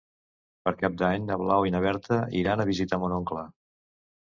Per Cap d'Any na Blau i na Berta iran a visitar mon oncle.